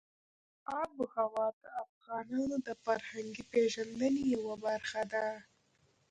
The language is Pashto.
آب وهوا د افغانانو د فرهنګي پیژندنې یوه برخه ده.